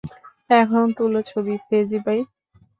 এখন তুলো ছবি, ফেজি ভাই।